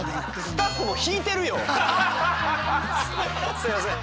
すいません。